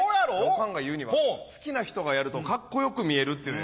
おかんが言うには「好きな人がやるとカッコ良く見える」って言うのよ。